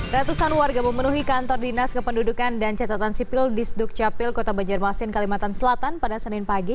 ratusan warga memenuhi kantor dinas kependudukan dan catatan sipil di sdukcapil kota banjarmasin kalimantan selatan pada senin pagi